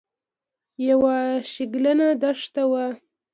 یوه شګلنه دښته وه.